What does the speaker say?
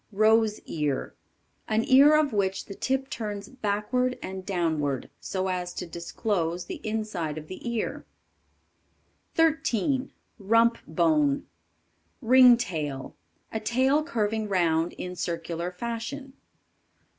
Rose ear. An ear of which the tip turns backward and downward, so as to disclose the inside of the ear. 13. RUMP BONE. Ring tail. A tail curving round in circular fashion.